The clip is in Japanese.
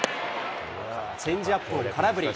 チェンジアップを空振り。